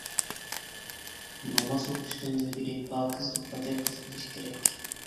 ناماز ئوقۇشتىن ئىلگىرى پاكىزلىققا دىققەت قىلىش كېرەك.